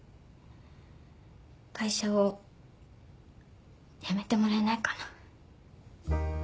会社を辞めてもらえないかな？